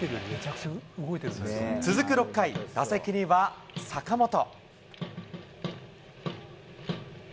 続く６回、打席には坂本。